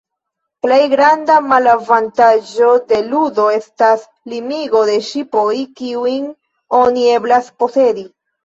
Plej granda malavantaĝo de ludo estas limigo de ŝipoj, kiujn oni eblas posedi.